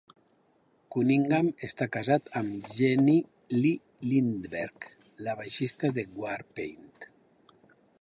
Cunnigham està casat amb Jenny Lee Lindberg, la baixista de Warpaint.